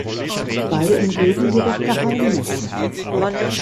Beide umgeben jedoch Geheimnisse.